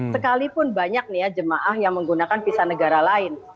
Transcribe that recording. sekalipun banyak nih ya jemaah yang menggunakan visa negara lain